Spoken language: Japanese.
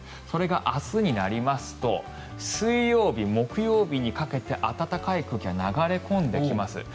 それが明日になりますと水曜日、木曜日にかけて暖かい空気が流れ込んできます。